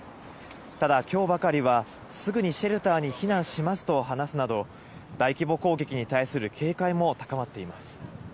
ただ、きょうばかりは、すぐにシェルターに避難しますと話すなど、大規模攻撃に対する警戒も高まっています。